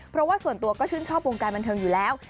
เพราะว่าส่วนตัวก็ชื่นชอบวงการบันเทิงอยู่แล้ว